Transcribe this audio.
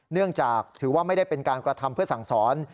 เนื่องจากถือว่าไม่ได้เป็นการกระทำเพื่อสั่งสอน